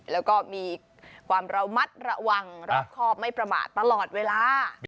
แล้วก็มีความระมัดระวังรอบครอบไม่ประมาทตลอดเวลา